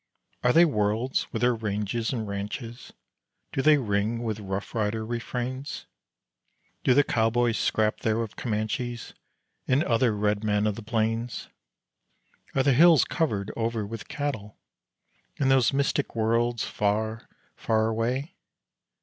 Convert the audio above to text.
Are they worlds with their ranges and ranches? Do they ring with rough rider refrains? Do the cowboys scrap there with Comanches And other Red Men of the plains? Are the hills covered over with cattle In those mystic worlds far, far away?